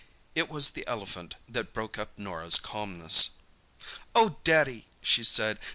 It was the elephant that broke up Norah's calmness. "Oh, Daddy!" she said.